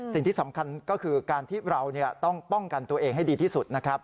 สิ่งที่สำคัญก็คือการที่เราต้องป้องกันตัวเองให้ดีที่สุดนะครับ